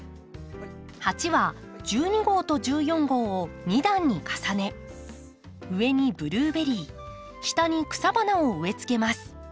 鉢は１２号と１４号を２段に重ね上にブルーベリー下に草花を植えつけます。